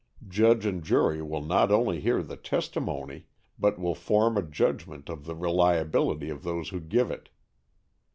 Judge and jury will not only hear the testimony, but will form a judgment of the reliability of those who give it.